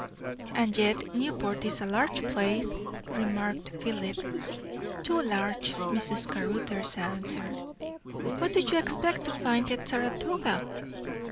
"And yet Newport is a large place," remarked Philip. "Too large," Mrs. Caruthers answered. "What do you expect to find at Saratoga?"